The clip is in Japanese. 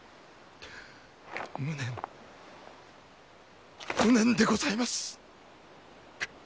無念無念でございます！くっ。